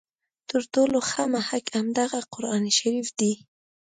تر ټولو ښه محک همدغه قرآن شریف دی.